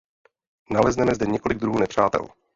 Nalezneme zde několik druhů nepřátel.